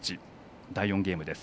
第４ゲームです。